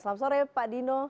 selamat sore pak dino